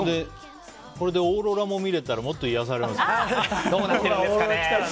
これでオーロラも見れたらもっと癒やされるんですけどね。